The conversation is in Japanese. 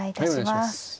はいお願いします。